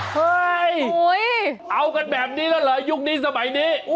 เฮ้ยเอากันแบบนี้แล้วเหรอยุคนี้สมัยนี้